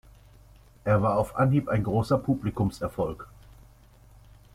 Er war auf Anhieb ein großer Publikumserfolg.